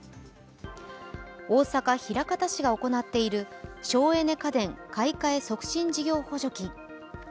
大阪・枚方市が行っている省エネ家電買換え促進事業補助金。